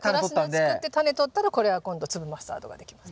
カラシナつくってタネとったらこれは今度粒マスタードができます。